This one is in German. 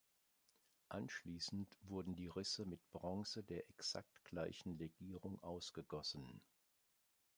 Anschließend wurden die Risse mit Bronze der exakt gleichen Legierung ausgegossen.